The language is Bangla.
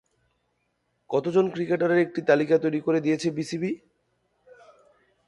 কত জন ক্রিকেটারের একটি তালিকা তৈরি করে দিয়েছে বিসিবি?